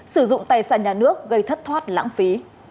sử dụng tài sản nhà nước gây thất thoát lãng phí